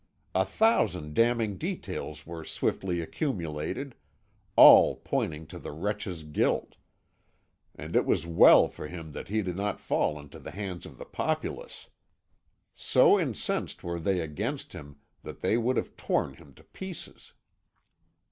A thousand damning details were swiftly accumulated, all pointing to the wretch's guilt, and it was well for him that he did not fall into the hands of the populace. So incensed were they against him that they would have torn him to pieces.